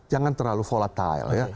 jangan terlalu volatile